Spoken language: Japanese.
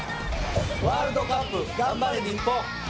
ワールドカップ頑張れ日本！